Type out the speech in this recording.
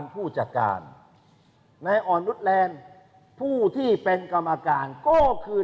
ผู้จัดการนายอ่อนนุษแลนด์ผู้ที่เป็นกรรมการก็คือ